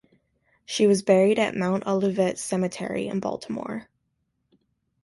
She was buried at Mount Olivet Cemetery in Baltimore.